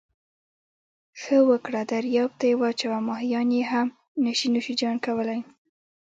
ښه وکړه درياب ته یې واچوه، ماهيان يې هم نسي نوش کولای.